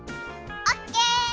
オッケー！